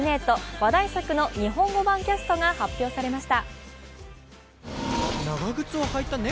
話題作の日本語版キャストが発表されました。